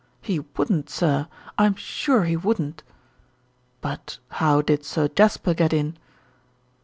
"He wouldn't, sir. I'm sure he wouldn't." "But how did Sir Jasper get in?"